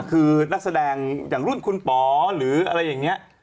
คือนักแสดงอย่างรุ่นคุณป๋อหรืออะไรอย่างนี้